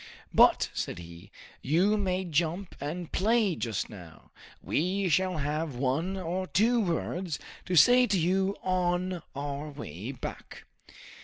"But," said he, "you may jump and play just now; we shall have one or two words to say to you on our way back!"